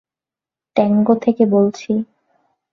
Tango থেকে বলছি।